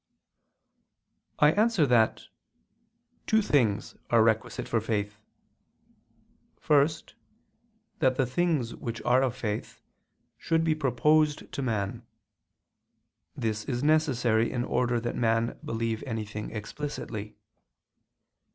I answer that, Two things are requisite for faith. First, that the things which are of faith should be proposed to man: this is necessary in order that man believe anything explicitly.